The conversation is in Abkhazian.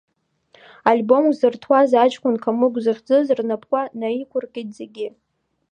Альбом хзыртуаз аҷкәын Камыгә зыхьӡыз рнапқәа наиқәыркит зегьы.